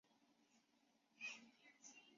担任湖南秦希燕律师事务所主任。